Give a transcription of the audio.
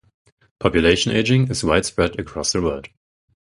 Population ageing is widespread across the world.